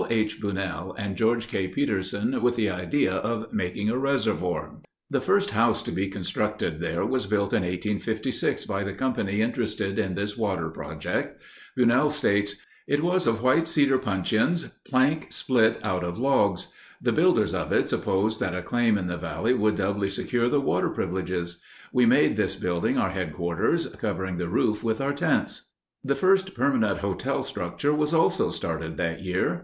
H. Bunnell and George K. Peterson with the idea of making a reservoir. [Illustration: The Cosmopolitan, 1870 1932] [Illustration: The Lower Hotel, 1856 1869] The first house to be constructed there was built in 1856 by the company interested in this water project. Bunnell states: "It was of white cedar 'puncheons,' plank split out of logs. The builders of it supposed that a claim in the valley would doubly secure the water privileges. We made this building our headquarters, covering the roof with our tents." The first permanent hotel structure was also started that year.